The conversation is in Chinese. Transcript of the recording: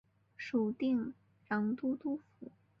属定襄都督府。